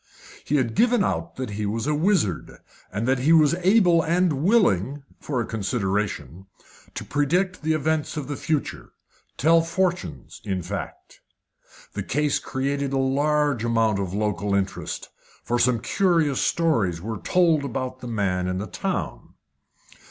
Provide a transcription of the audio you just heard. He had given out that he was a wizard, and that he was able and willing for a consideration to predict the events of the future tell fortunes, in fact. The case created a large amount of local interest, for some curious stories were told about the man in the town.